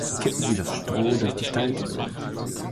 Kippen Sie das Stroh durch die Stalltür.